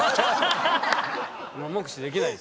目視できないですよね。